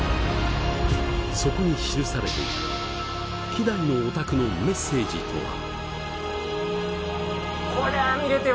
そこに記されていた稀代のオタクのメッセージとは。